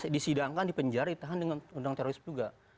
disidangkan dipenjara ditahan dengan undang teroris juga